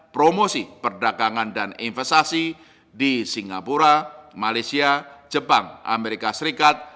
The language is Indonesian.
promosi perdagangan dan investasi di singapura malaysia jepang amerika serikat